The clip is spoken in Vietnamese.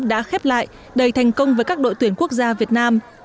đã khép lại đầy thành công với các đội tuyển quốc gia việt nam